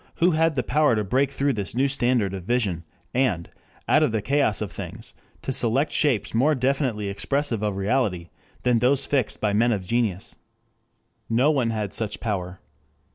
Who had the power to break through this new standard of vision and, out of the chaos of things, to select shapes more definitely expressive of reality than those fixed by men of genius? No one had such power.